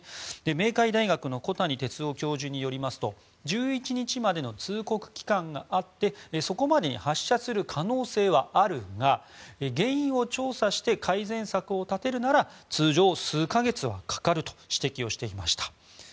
明海大学の小谷哲男教授によりますと１１日までの通告期間があってそこまでに発射する可能性はあるが原因を調査して改善策を立てるなら通常、数か月はかかると指摘をして今いた。